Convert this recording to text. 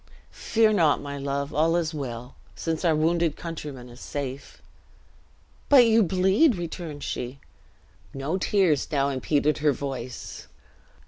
"Fear not, my love! all is well, since our wounded countryman is safe." "But you, bleed!" returned she. No tears now impeded her voice.